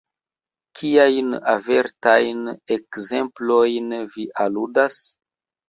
Kiajn avertajn ekzemplojn vi aludas?